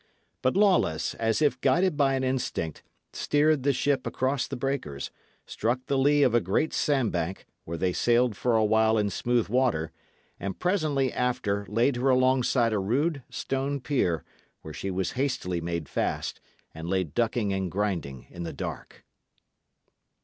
But Lawless, as if guided by an instinct, steered the ship across the breakers, struck the lee of a great sandbank, where they sailed for awhile in smooth water, and presently after laid her alongside a rude, stone pier, where she was hastily made fast, and lay ducking and grinding in the dark.